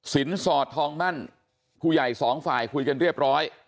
สอดทองมั่นผู้ใหญ่สองฝ่ายคุยกันเรียบร้อย